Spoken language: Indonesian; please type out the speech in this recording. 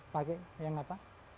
pakai yang apa